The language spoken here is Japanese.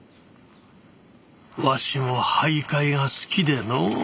わしも俳諧が好きでのう。